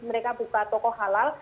mereka buka toko halal